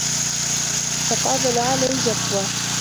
فَقَابَلَ عَلَى الْجَفْوَةِ